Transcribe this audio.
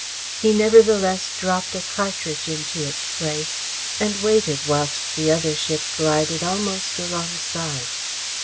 He nevertheless dropped a cartridge into its place and waited whilst the other ship glided almost alongside.